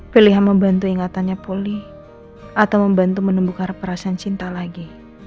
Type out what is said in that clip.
pilih yang membantu ingatannya pulih atau membantu menembukar perasaan cinta lagi